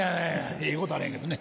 ええことあらへんけどね。